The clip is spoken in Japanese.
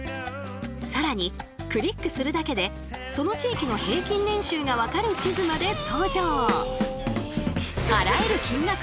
更にクリックするだけでその地域の平均年収が分かる地図まで登場。